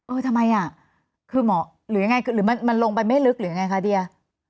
ทำไมอ่ะคือเหมาะหรือยังไงหรือมันลงไปไม่ลึกหรือยังไงคะเดีย